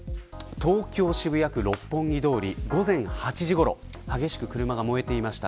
東京、渋谷区六本木通り午前８時ごろ激しく車が燃えていました。